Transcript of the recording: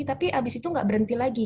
tapi abis itu nggak berhenti lagi